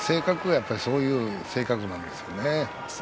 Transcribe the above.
やっぱりそういう性格なんですね